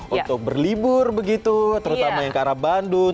untuk berlibur begitu terutama yang ke arah bandung